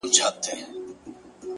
چي وايي’